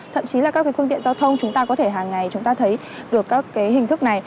thậm chí là các phương tiện giao thông chúng ta có thể hàng ngày chúng ta thấy được các hình thức này